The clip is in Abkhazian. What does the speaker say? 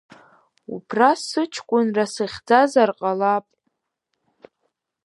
Убра сыҷкәынра сыхьӡазар ҟалап.